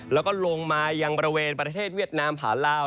แล้วก็ลงมายังบริเวณประเทศเวียดนามผาลาว